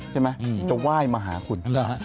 ใช่ไหมจะไหว้มาหาคุณ